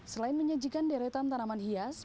selain menyajikan deretan tanaman hias